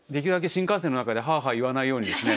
新幹線の中でハァハァ言わないようにですね。